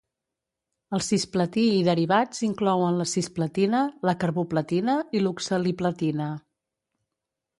El cisplatí i derivats inclouen la cisplatina, la carboplatina i l'oxaliplatina.